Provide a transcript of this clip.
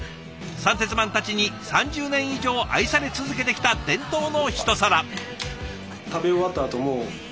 三鉄マンたちに３０年以上愛され続けてきた伝統のひと皿。